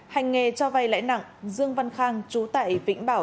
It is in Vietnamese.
hành nghề cho vay lãi nặng dương văn khang chú tại vĩnh bảo